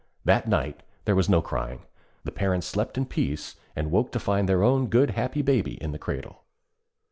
That night there was no crying, the parents slept in peace and woke to find their own good happy baby in the cradle.